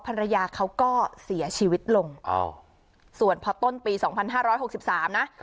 ภรรยาเขาก็เสียชีวิตลงส่วนพอต้นปีสองพันห้าร้อยหกสิบสามนะ